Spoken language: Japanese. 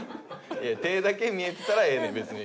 いや手だけ見えてたらええねん別に。